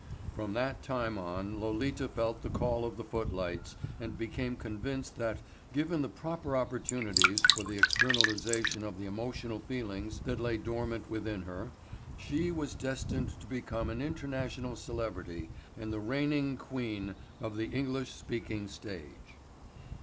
From that time on Lolita felt the call of the footlights and became convinced that, given the proper opportunities for the externalization of the emotional feelings that lay dormant within her, she was destined to become an international celebrity and the queen regnant of the English speaking stage.